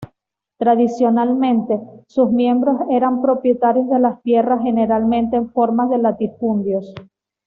Tradicionalmente, sus miembros eran propietarios de las tierras, generalmente en forma de latifundios.